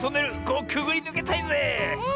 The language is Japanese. ここくぐりぬけたいぜえ！